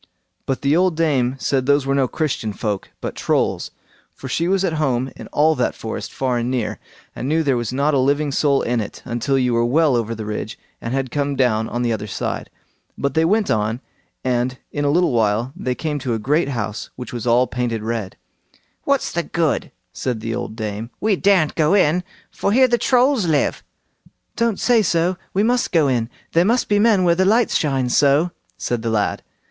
But the old dame said those were no Christian folk, but Trolls, for she was at home in all that forest far and near, and knew there was not a living soul in it, until you were well over the ridge, and had come down on the other side. But they went on, and in a little while they came to a great house which was all painted red. "What's the good?" said the old dame, "we daren't go in, for here the Trolls live." "Don't say so; we must go in. There must be men where the lights shine so", said the lad.